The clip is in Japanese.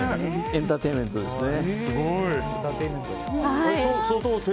エンターテインメントですね。